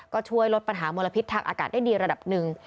ก็ช่วยลดปัญหามลพิษทางอากาศได้ดีระดับหนึ่ง